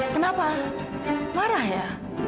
kenapa marah ya